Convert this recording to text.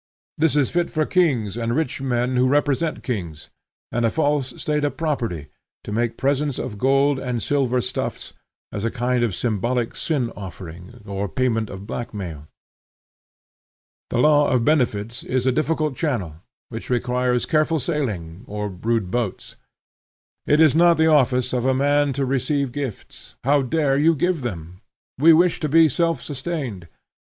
This is fit for kings, and rich men who represent kings, and a false state of property, to make presents of gold and silver stuffs, as a kind of symbolical sin offering, or payment of black mail. The law of benefits is a difficult channel, which requires careful sailing, or rude boats. It is not the office of a man to receive gifts. How dare you give them? We wish to be self sustained.